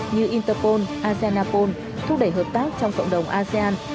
như interpol azennaphone thúc đẩy hợp tác trong cộng đồng asean